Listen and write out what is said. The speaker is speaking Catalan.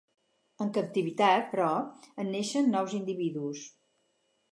En captivitat, però, en neixen nous individus.